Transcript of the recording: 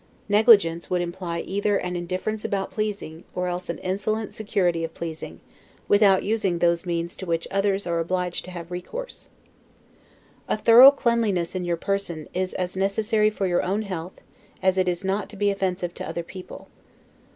Negligence would imply either an indifference about pleasing, or else an insolent security of pleasing, without using those means to which others are obliged to have recourse. A thorough cleanliness in your person is as necessary for your own health, as it is not to be offensive to other people.